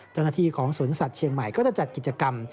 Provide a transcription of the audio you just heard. จนาทีของศูนย์สัตว์เชียงใหม่ก็จะจัดกิจกรรม